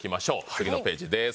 次のページです。